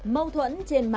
mâu thuẫn trên mạng sản xuất